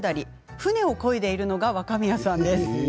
舟をこいでいるのは若宮さんです。